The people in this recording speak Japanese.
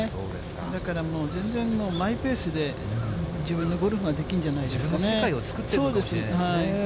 だからもう全然、マイペースで自分のゴルフができるんじゃな自分の世界を作っているのかもしれないですね。